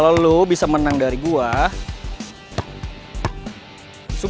lo lagi ada masalah ya